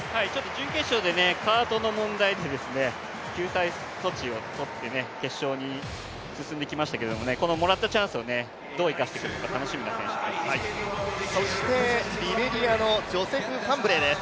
準決勝でカートの問題で救済措置を取って決勝に進んできましたけれども、このもらったチャンスをどう生かしてくるのかリベリアのジョセフ・ファンブレーです。